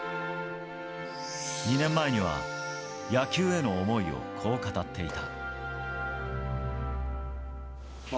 ２年前には野球への思いをこう語っていた。